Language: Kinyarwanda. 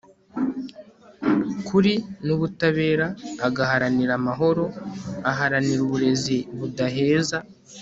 kuri n'ubutabera, agaharanira amahoro. aharanira uburezi budaheza